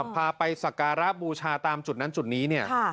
พาไปสักการะบูชาตามจุดนั้นจุดนี้เนี่ย